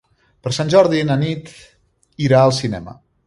Per Sant Jordi na Nit irà al cinema.